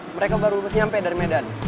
mereka baru nyampe dari medan